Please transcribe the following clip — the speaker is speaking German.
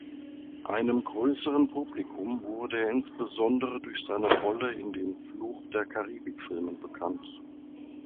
Einem größeren Publikum wurde er insbesondere durch seine Rolle in den "Fluch-der-Karibik"-Filmen bekannt.